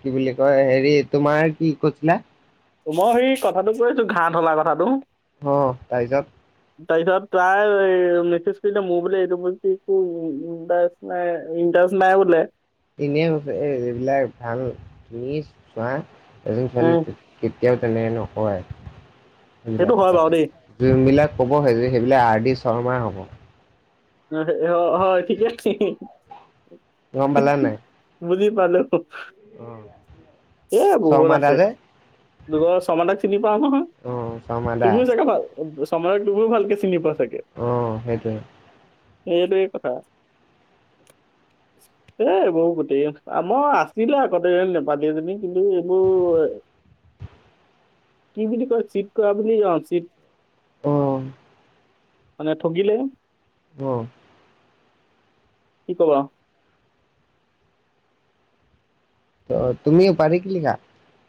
কি বুলি কয় হেৰি তোমাৰ কি কৈছিলা মই সেই কথাটো কৈ আছো ঘাঁ ধলা কথাটো অ তাই যত তাৰপিছত তাই মেছেজ কৰিলে মোৰ বোলে এইটো গলটি একো ডাৰেক নাই ইনডাৰেক নাই বোলে এনে এ এইবিলাক ভাল নি চোৱা এজনী ছোৱালী উম কেতিয়াও তেনেকে নকৰে সেই সেইটো বিলাক হয় বাৰু কাম দেই। যোনবিলাক ক'ব হয় যে সেইবিলাক আৰ ডি শৰ্মাই হ'ব অ অ হয় ঠিকে গম পলা নাই ভালো আহ এ বহুত আছে দুগৰ শৰ্মাদাক চিনি পাও নহয় অ শৰ্মা দা তুমি চাকে ভাল সময়ক গগৈ ভালকে চিনি পোৱা অ সেইটোয়ে সেইটোৱেই কথা [inaudible] এইবোৰ গোটেই আমৰ আছিলে গোটেই লেপালিএজনী কিন্তু এইবোৰ [inaudible] কি বুলি কয় চীতক কৰা বুলি কও চিত আহ মানে থগিলে আহ কি কবা? অ তুমি উপাধি কি লিখা?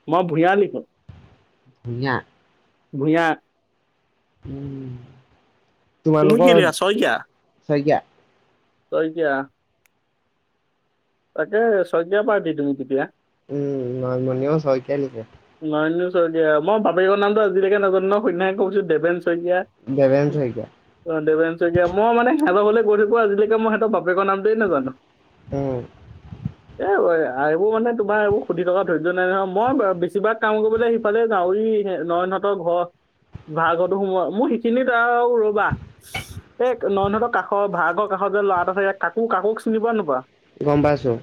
মই ভূঞা লিখো ভূঞা ভূঞা উ তুমি কি তোমালোকৰ লিখা শইকীয়া? শইকীয়া শইকীয়া তাকে শইকীয়া উপাধি দি তুমি তেতিয়া। উম মাৰমনিয়ও শইকীয়াই। নয়ন শইকীয়া মই বাপেকৰ নামটো আজিলৈকে নাজানোঁ নহয় সূন্যাই কৈছো দেৱেন শইকীয়া দেবেন শইকীয়া দেবেন শইকীয়া মই মানে সিহঁতক ঘলে গৈ থাকো আজিলৈকে মই সিহতৰ বাপেকৰ নামটোৱে নাজানোৱে। উম আৰু এইবোৰ মানে তোমাৰ একোৰ সুধি থকা ধৰ্য্য নাই নহয় মই। বেছিভাগ কাম কৰিবলৈ সিফালে য়াও নয়নহঁতৰ ঘৰ ভাৰা ঘৰটো সোমোৱা মোৰ সেইখিনি তাৰ আৰু ৰবা এই নয়নহঁতৰ কাষৰ ভাৰাঘৰ কাষৰ সিয়াত যে ল'ৰা এটা থাকে কাকো কাকো চিনি পোৱা নে নোপোৱা গম পাইছো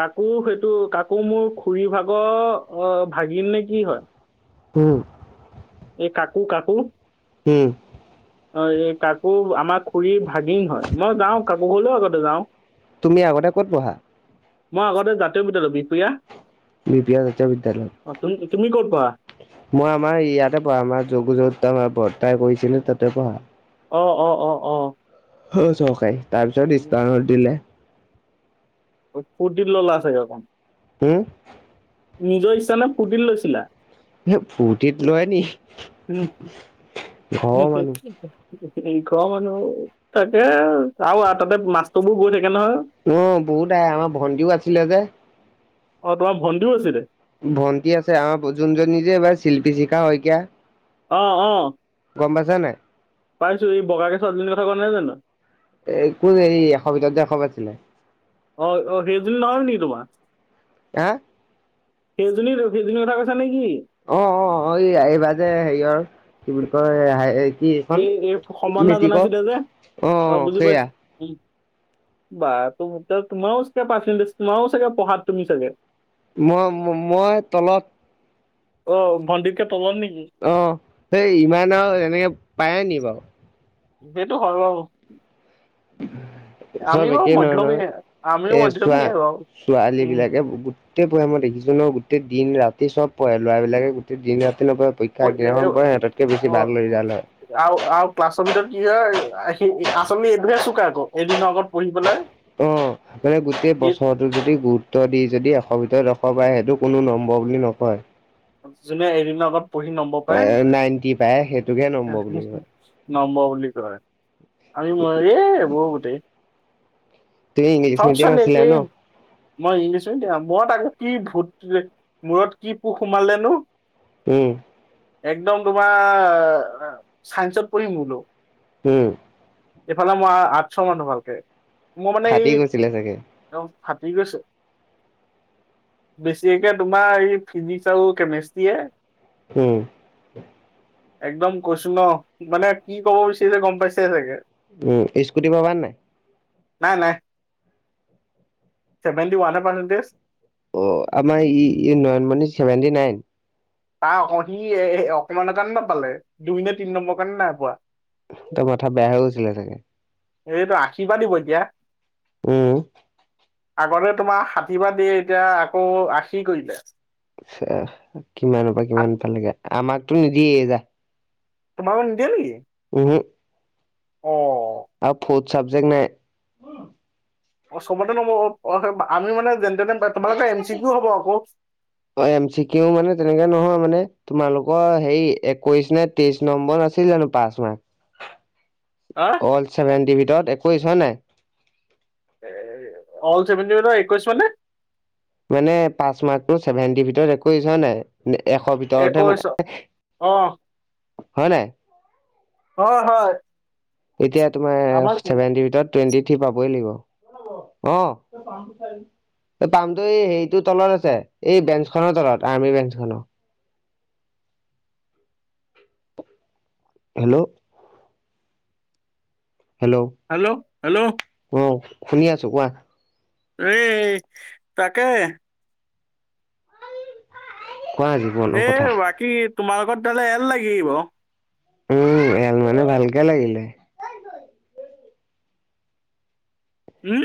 কাকো সেইটো কাকো মোৰ খুৰী ভাগৰ আহ ভাগিন নে কি হয়। উম। এই কাকু কাকু উম অ এই কাকো আমাৰ খুৰীৰ ভাগিন হয় মই যাও কাকো ঘলেও আগতে যাও। তুমি আগতে ক'ত পঢ়া। মই আগতে জাতীয় বিদ্যালয় বিহ পুৰীয়া বিহপুৰীয়া বিশ্ববিদ্যালয় তুমি ক'ত পঢ়া মই আমাৰ ইয়াতে পঢ়া আমাৰ যগত্তমহা বিদ্যালয় তাই কৰিছিলে তাতে পঢ়া অ অ অ অ অ চৰকাৰি তাৰপিছত ইষ্টৰ্ণল দিলে ফুৰ্তিৰ ললা আছে সেইখন উম নিজৰ ইচ্ছা নাম ফূৰ্তিত লৈছিলা এ ফূৰ্তিত লয় নি উম, ঘৰৰ মানুহ ঘৰৰ মানুহ তাকে আৰু তাতে মাছটোবোৰ গৈ থাকে নহয়। অ বহুত আহে আমাৰ ভন্টিও আছিলে যে। অ তোমাৰ ভণ্টিও আছিল দে। ভন্টি আছে আমাৰ যোনজনী যে এইবাৰ শিল্পী শিখা শইকীয়া অ অ গম পাইছা নে পাইছো এই বগাকে ছোৱালীজনীৰ কথা কোৱা নাই জানো এই কোন এইৰি এশ ভিতৰততে এশ পাইছিলে অ অ সেজুল নহয় নেকি তোমাৰ। আহ সেইজনীৰ সেইজনীৰ কথা কৈছা নেকি অ অ এই এইবাৰ যে হেৰিৰ কি বুলি কয় হ এই এই সমৰ্না জনাইছিল দে যে অ বুজি পাইছ বাৰ ত তোমাৰ ওচ কে পাৰ্চণ্টেজ তোমাৰও চাগে পাত তুমি চাগ মই মই তলত অ ভণ্ন্দি কে অ সেই ইমান আৰু এনেকে পায় নি বাৰু সেইটো কৰ বাবু চবে কি নহ নহয় আমিও এ চোৱা মধ্যমীয়া বাৰু ছোৱালী উম বিলাকে গোটেই বয় মই দেখিছো ন গোটেই দিন ৰাতি ৰাতি চব পঢ় লৰাবলাকে গোটেই দিন পৰীক্ষা প- একগামখন এ- পৰে সিহঁতকে বেছি ভ ল ৰিজাল্ট হয় বিিতৰত কি হয় স আচলি এইটোহে চুকে আকৌ এদিনৰ আগত পঢ়ি পেলাই সেইকাৰে গোটেই ই বছৰটোো যদি গুৰুত্ব দি যদি এশৰ ভিতৰত দশৰ পায় সেইটো কোনো নম্বৰ বুলি নকয় যোনে এদিনৰ আগত পঢ়ি নমব পাৰে নাইনটি পায় সেইটোকহে নম্বৰ বুলি কয় নম্ব বুলি ক আমি এ বৌ গোটেই তুমি ইংলিছ চপচ মিডিয়াম আছিলা লেকে ন মই ইংলিছোতিিয়া মৰত আগত কি ভূত মূৰত কি পোক সোমালে নো উম একদম তোমাৰ চাইন্সত পঢ়িমোলো উম এইফালে মই আঠশ মানুহ ভালকে মই মানে এই ফাটি গৈছিলে চাগে অ ফাটি গৈছে বেছকে তোমাৰ এই ফিজিক্ চ কে মিস্ত এ উম একদম কৈছু ন মানে কি ক'ব বিচাৰিছে গম পাইছে চাগে উম স্কুটি পাবাৰ নাই নাই নাইেভেণ্টি পাৰ্চটেজ অ আমাৰ ই নয়নমণি চছেভেনটি নাইন তাৰ সি এ অকমানৰ কাৰণে নাপালে দুই নে তিনি নম্বৰ কাৰণে নাই পোৱা ত কথা বেয়া হৈ আছিলে চাগে এইটো আশীৰ্বাদ দিব এতিয়া উম আগতে তোমাৰ ষাঠি বাাৰ দে এতিয়া আকৌ আশী কৰিলে আচ্ছা কিমানৰ পৰা কিমান পালেগে আমাকতো নিদিয়ে যা তোমালোকক নিদিয়ে নেকি উমহু অ আৰু ফৰ্থ চাবজেক্ট নাই অ চবতে নম্ব অ আমি মানে যেন তেনে তোমালোকৰ এম চি কিউ হ'ব আকৌ অ এম চি কিও মানে তেনেকে নহয় মানে তোমালোকৰ সেই একৈশ নে তেইশ নম্বৰ নাছিল জানো পাচ হা মাৰ্ক অল চেভেন্টি ভিতৰত একৈশ হয় নাই এ অল চেভেণ্টি ভিতৰত একৈশ মানে মানে পাচ মাৰ্কটো চেভেণ্টি ভিতৰত একৈশ হয় নাই এশ ভিতৰতহে একৈশ মানে অ হয় নাই অ হয় এতিয়া আমাৰ তোমাৰ চেভেন্টিৰ ভিতৰত টুৱেণ্টি থ্ৰী পাবই লাগিব অ পামতো এই হেইটো তলত আছে এই বেঞ্চখনৰ তলত আৰ্মি বেঞ্চ খনৰ হেল্ল' হেল্ল' অহ শুনি আছো কোৱা ঐ তাকে কোৱা জীৱনৰ এ কথা বাকী তোমাৰ লগত তেতিয়া হ'লে এল লাগিব উম এল মানে ভালকে লাগিলে হুম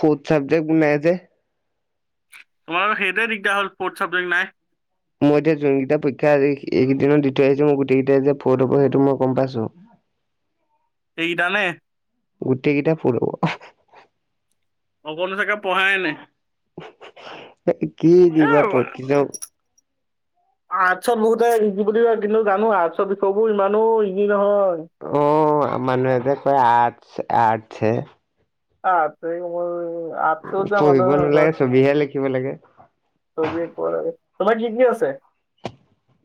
ফৰ্ট চাবজেক্ট নাই যে তোমাৰ সেইটোৱে দিগদাৰ হল ফৰ্ট চাবজেক্ট নাই মই এতিয়া যোনকেইটা পৰীক্ষা এইকেইদিনত দি থৈ আহিছো মোৰ গোটেই কেইটাই যে ফ'ৰ্ট হব সেইটো মই গম পাইছো উ এইকেইটা নে গোটেই কেইটা ফুৰ আ হ অকন চাগে পঢ়াই আনে এ কি দিবা পিছ আৰ্টচত বহুতে ইজি বুলি কয় কিন্তু জানো আৰ্টচৰ বিষয়বোৰ ইমানো ইজি নহয় অ মানুহে যে কয় আৰ্টছ আৰ্টছে আছেই মোৰ আৰ্টছত যোৱা পঢ়িব মানুহে কয় নালাগে ছবিহে লিখিব লাগে তুমি কত আছা তোমাৰ কি কি আছে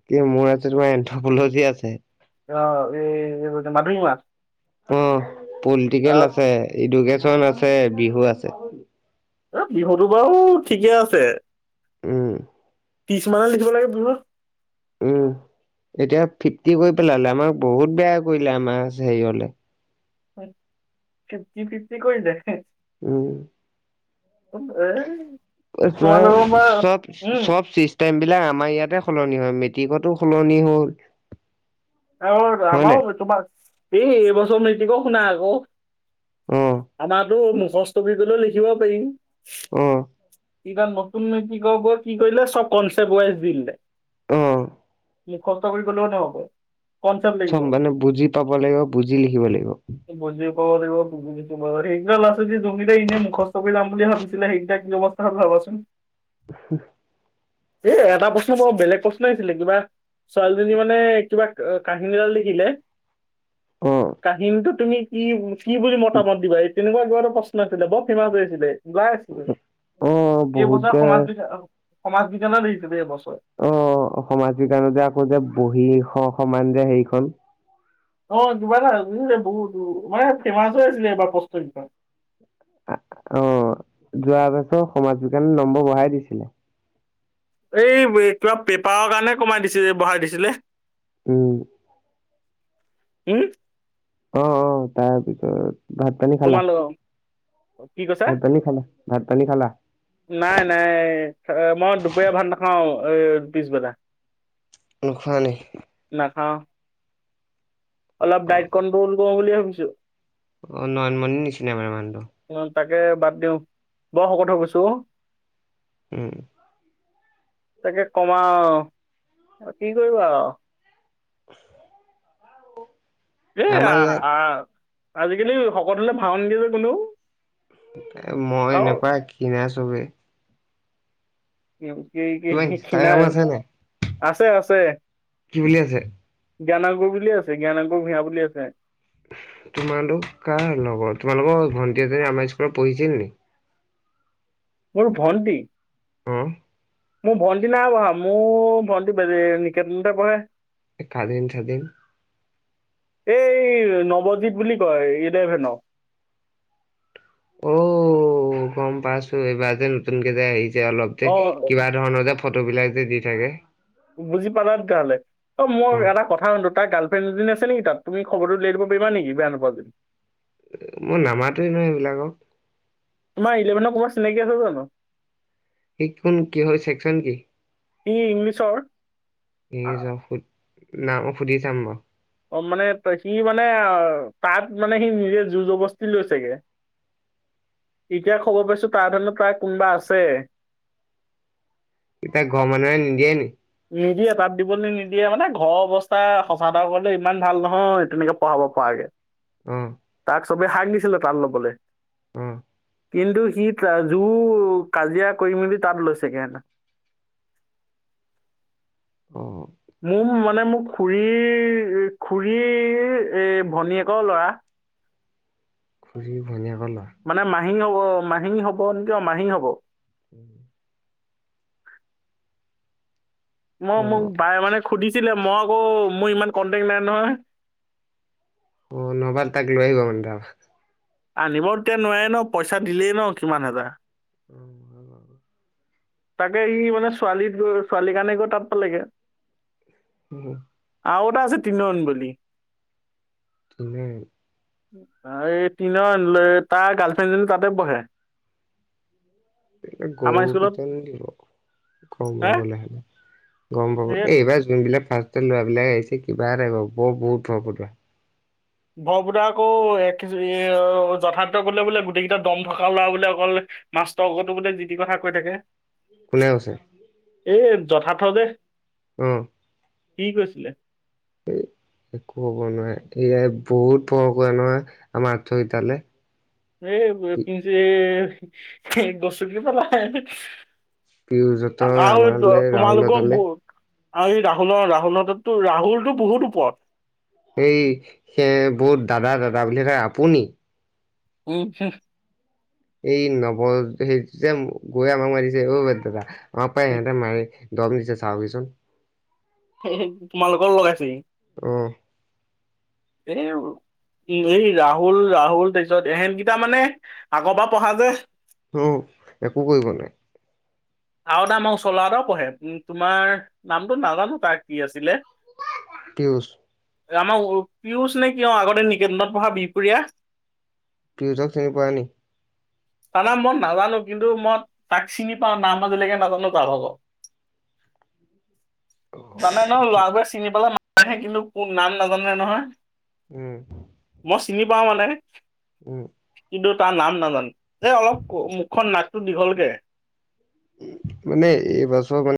কি মোৰ আছে তোমাৰ এন্থ্ৰপলজি আছে অ এই গ মাধুই মাছ অ পলিটিকেল আছে এডুকেশ্যন আছে বিহু আছে বিহুতো বাৰু ঠিকে আছে উম ত্ৰিছ মানহে লিখিব লাগে বিহু উম এতিয়া ফিফটি কৰি পেলালে আমাক বহুত বেয়া কৰিলে আমাৰ হেৰিয়লে ফিফটি ফিফটি কৰিলে হে উ এই তোমালোকৰ পৰা চব উম চব চিষ্টেম বিলাক আমাৰ ইয়াতে সলনি হয় মেট্ৰিকতো সলনি হ'ল আহ তো হয় আমাৰ নাই থৈছো তোমাক এইবছৰ মেট্ৰিক শুনা আকৌ অ আমাৰো তো মুখস্থ কৰি লিখিব পাৰিম অহঁ কিবা নতুন নৈতিক ওপৰত কি কৰিলে চব কনচপ্ট ৱাইজ দিলে অ মুখস্থ কৰি গলেও নহব কনচেপ্ট লাগিব চব মানে বুজি পাব লাগিব বুজি লিখিব লাগিব ক দিবম সেইকেই লছে ই এনে মুখস্থ কৰি যাম বুলি ভাবিছিলে সেইকেইটা কি অৱস্থা হ ভাব [unintelligible] কচোন এ এটা প্ৰশ্ন বৰ বেলেগ প্ৰশ্ন আহছিলে কিবা ছোৱালীজনী মানে কিবা কাহিনী এডাল লিখিলে অ কাহিনীটো তুমি কি কি বুলি মতামত দিবা এই তেনেকুৱা এক এটা প্ৰশ্ন আছিলেক সীমা বেৰ দিলে ওলাই আছিলোঁ অ বহুত এইবছৰ যে সমাজ বিজ্ঞান সমাজ বিজ্ঞানে আহিছে বে এইবছৰ অঁহ সমাজ বিজ্ঞান যে আকৌ যে বহি খ খ মানে যে হেৰিখন অঁহ কিবা এটা বহুত মানে ফেমাচ হৈ আছিলে এইবাৰ প্ৰস্ততি খন অঁহ যোৱা বছৰ সমাজ বিজ্ঞানে নম্বৰ বঢ়াই দিছিলে এই কিবা পেপাৰৰ কাৰণে কমাই দিছিল বঢ়াই দিছিলে উম উম অহ অহ তাৰপিছত ভাত পানী খালা? তোমালোক কি কৈছা? ভাত পানী খালা? ভাত পানী খালা? নাই নাই। মই দুপৰীয়া ভাত নাখাওঁ এই পিছ বেলা। নোখোৱানি। অলপ ডাইট কন্ট্ৰল কৰো বুলি ভাবিছো। অহ নয়মণিৰ নিচিনা মানে মানু। উম তাকে বাদ দিওঁ। বৰ শকত হৈ গৈছো অহ উম। তাকে কমাও কি কৰিবা আও [unintelligible] হে আমাৰ আহ ইয়াত আহ আজিকালি সকত হলে ভাও নিদিয়ে যে কোনেও। এ মই আৰু এনেকুৱা কিনা ছবি কি কি তোমাৰ কি ইনষ্টাগ্ৰাম খিনাৰ। আছে নাই? আছে আছে। কি বুলি আছে? জ্ঞানাগো বুলি আছে জ্ঞানাগো ভূঞা বুলি আছে। তোমালোক কাৰ লগৰ? তোমালোকৰ ভন্টি এজনী আমাৰ স্কুলত পঢ়িছিল নি? মোৰ ভণ্টি? অহ। মো ভণ্টি নাই পঢ়া। মো ভণ্টি নিকেতনতে পঢ়ে। এ কালি লিখাই দিম এই নৱজিত বুলি কয় ইলেভেন ন। ঔ গম পাইছো এইবাৰ যে নতুনকে যে আহিছে যে অলপ কে অ কিবা ধৰণৰ যে ফটো বিলাক যে দি থাকে। বুজি পালা তেতিয়া হ'লে। অহ মই অ' এটা কথা শুধো তাৰ গাৰ্লফ্ৰেণ্ড এজনী আছে নেকি তাত? তুমি খবৰটো ল দিব পাৰিবা নেকি বেয়া নাপোৱা যদি? মই নামাতোৱে নহয় এইবিলাকক। তোমাৰ ইলেভন কবা চিনাকি আছে জানো? সেই খন কিহৰ চেকচন কি? ই ইংলিছৰ? আ- ইংলিছৰ নাম সুধি চাম বাৱ। অহ মানে সি মানে তাত মানে সি নিজে জোৰ যবস্তি লৈছেগে। এতিয়া খবৰ পাইছো তাৰ তাত কোনোবা আছে। এতিয়া ঘৰ মানুহে নিদিয়ে নি? নিদিয়ে তাত দিবলে নিদিয়ে মানে ঘৰৰ অৱস্থা সঁচা এটা কৰিলে ইমান ভাল নহয় তেনেকে পঢ়াব পৰাকে। অ' চবেই শাক দিছিলে তাত ল'বলে। উম। কিন্তু সি তা যো কাজিয়া কৰি মেলি তাত লৈছেগে হেদিনা। [inaudible] অ মো মানে মো খুৰীৰ খুৰীৰ এ ভনীয়েকৰ ল'ৰা। খুৰীৰ ভনীয়েকৰ লৰা। মাহি হ'ব মাহি হ'ব নেকি অ' মাহি হ'ব। উম। মই অ মোক বাই মানে সুধিছিলে। মই আকৌ মোৰ ইমান কন্টেক্ট নাই নহয়। অ' নহবা তাক লৈ আহিব মানে তাক। আনিব তেতিয়া নোৱাৰে ন পইচা দিলেই ন কিমান হাজাৰ। উম হয় বাও। তাকে সি মানে ছোৱালী গৈ ছোৱালী কাৰণে গৈ তাত পালেগে। উম। আৰু এটা আছে তিনিন বুলি কিনে এই তি তাৰ গাৰ্লফ্ৰেণ্ডজনী তাতে বহে এ গোপিত নিব গম হে পাবলৈ হ'লে গম পাব সেই এইবাৰ যোনবিলাক ফাৰ লৈ বিলাক আহিছে কিবা এটা বৰ বহুত হোৱা বৰপুত আকৌ এক যথাৰ্থ কৰিলে বোলে। গোটেই কেইটা দম থকা লৰা বোলে অকল মাষ্টটোৰ আগতো বোতেে যি টি কথা কৈ থাকে কোনে আছে? এই যথাৰ্থ যে আহম কি কৈছিলে? উ একো হ'ব নোৱাৰে। এয়াই বহুত পৰক নহয় আমাৰ আতথকেইটালে এ পি যে গছু কি পালাই পিয়ুজহঁতৰ আৰু আমাৰলে তোমাল গ ৰাহুলহঁতলে গ আৰু এই ৰাহুলৰ ৰাহুল হততো ৰাহুলতো বহুত ওপৰত এই সেই বহুত দাদা দাদা বুলি আপুনি উ এই নৱ হ যে গৈ আমাক মাৰিছে অ' ব দাদা আমাৰ পায় সহঁতে মাৰে দমনিচ চাও কিচোন তোমালোকৰ লগাইছি অ বে উ এই ৰাহুল ৰাহুল তাৰপিছত এহেনকেইটা মানে আগৰ পৰা পঢ়া যে অ' একো কৰিব নাই। আৰু দাম আৰু চলা এটাও পঢ়ে উ তোমাৰ নামটো নাজানো তাৰ কি আছিলে। পুষ আমাৰ পিয়ুষ নে কিয় আগতে নিকেতনত পঢ়া বিহপুৰীয়া পিউজক চিনি পোৱা নি তাৰ না মই নাজানো কিন্তু মই তাক চিনি পাওঁ। নাম মাজিলৈকে নাজানো তাৰ হ'ব। উ জানে নহ লৰাবোৰে চিনি পালে নানহে কিন্তু কোন নাম নাজানে নহয়। উম। প মানে। উম। কিন্তু তাৰ নাম নাজানো, এই অলপ মুখখন নাকটো দীঘলকে। উম মানে এইবছৰ মানে